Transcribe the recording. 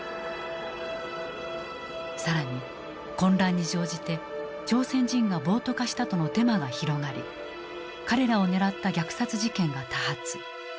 更に混乱に乗じて朝鮮人が暴徒化したとのデマが広がり彼らを狙った虐殺事件が多発。